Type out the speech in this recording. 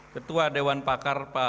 ketua dewan pakar pak